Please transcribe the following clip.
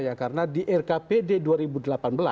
penganggaran berbasis perencanaan ya